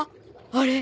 あれ。